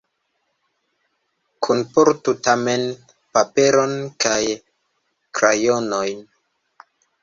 Kunportu tamen paperon kaj krajonojn.